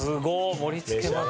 盛りつけまで。